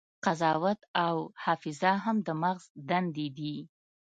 قضاوت او حافظه هم د مغز دندې دي.